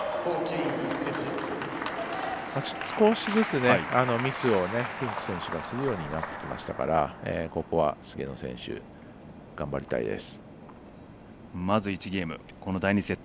少しずつミスをフィンク選手がするようになってきましたからここは菅野選手、頑張りたいです。